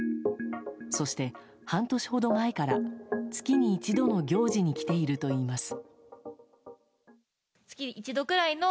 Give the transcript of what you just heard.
そして、半年ほど前から月に１度の行事に来ているといいます。